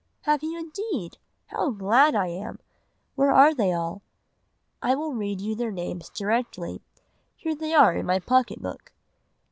"'Have you indeed? How glad I am! Where are they all?' "'I will read you their names directly, here they are in my pocket book.